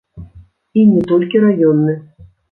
І не толькі раённы.